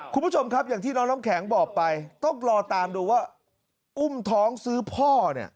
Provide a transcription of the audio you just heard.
คุณผู้ชมครับอย่างที่น้องน้ำแข็งบอกไปต้องรอตามดูว่าอุ้มท้องซื้อพ่อเนี่ย